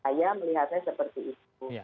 saya melihatnya seperti itu